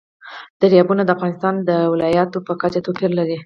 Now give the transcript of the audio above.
دریابونه د افغانستان د ولایاتو په کچه توپیر لري.